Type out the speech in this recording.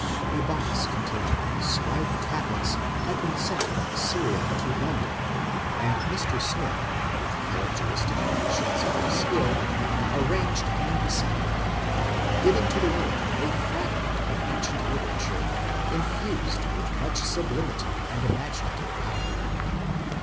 A box containing inscribed tablets had been sent from Assyria to London, and Mr. Smith, with characteristic patience and skill, arranged and deciphered them, giving to the world a fragment of ancient literature infused with much sublimity and imaginative power.